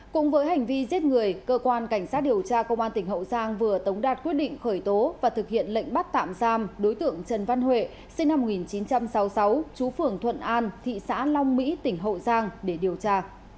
cũng với hành vi giết người cơ quan cảnh sát điều tra công an tỉnh hậu giang vừa tống đạt quyết định khởi tố và thực hiện lệnh bắt tạm giam đối tượng trần văn huệ sinh năm một nghìn chín trăm sáu mươi sáu chú phường thuận an thị xã long mỹ tỉnh hậu giang để điều tra